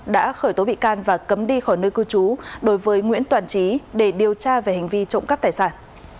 đã khởi tố bị can và cấm đi khỏi nơi cư trú đối với nguyễn toàn trí để điều tra về hành vi trộm cắp tài sản